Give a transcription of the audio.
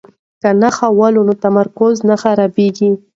که نښه وولو نو تمرکز نه خرابیږي.